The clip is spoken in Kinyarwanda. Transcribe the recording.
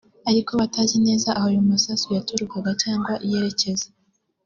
ariko batazi neza aho ayo masasu yaturukaga cyangwa yerekeza